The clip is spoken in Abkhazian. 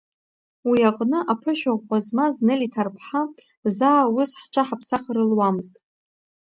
Уи аҟны аԥышәа ӷәӷәа змаз Нели Ҭарԥҳа, заа ус ҳҽаҳаԥсахыр луамызт.